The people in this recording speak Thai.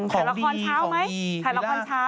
สายละครเช้าแถวนั้น